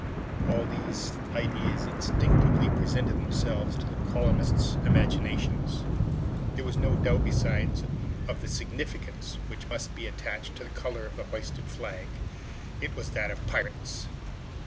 All these ideas instinctively presented themselves to the colonists' imaginations. There was no doubt, besides, of the signification which must be attached to the color of the hoisted flag. It was that of pirates!